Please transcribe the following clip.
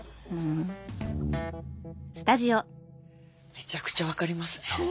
めちゃくちゃ分かりますね。